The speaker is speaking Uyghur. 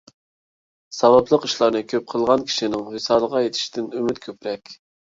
ساۋابلىق ئىشلارنى كۆپ قىلغان كىشىنىڭ ۋىسالغا يېتىشىدىن ئۈمىد كۆپرەك.